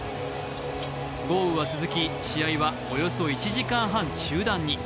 豪雨は続き、試合はおよそ１時間半中断に。